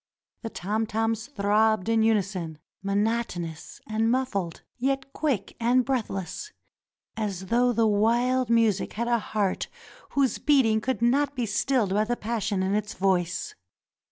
The tom toms throbbed in unison, monotonous and muffled, yet quick and breathless, as though the wild music had a heart whose beating could not be stilled by the passion in its voice.